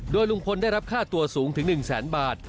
โดยลุงพลได้รับค่าตัวสูงถึง๑แสนบาท